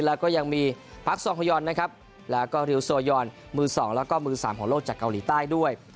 แล้วก็ยังมีพักซองฮยอนนะครับแล้วก็ริวโซยอนมือ๒แล้วก็มือสามของโลกจากเกาหลีใต้ด้วย